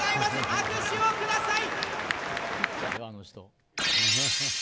拍手をください！